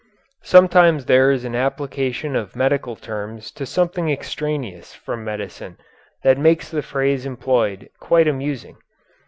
Sometimes there is an application of medical terms to something extraneous from medicine that makes the phrase employed quite amusing.